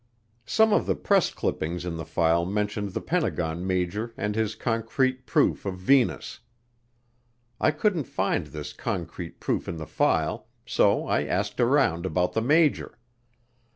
Some of the press clippings in the file mentioned the Pentagon major and his concrete proof of Venus. I couldn't find this concrete proof in the file so I asked around about the major.